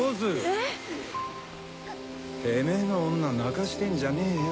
えっ？てめぇの女泣かしてんじゃねえよ。